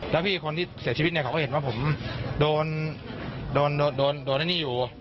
แล้วพี่คนที่เสียชีวิตเนี่ยเขาก็เห็นว่าผมโดนโดนไอ้นี่อยู่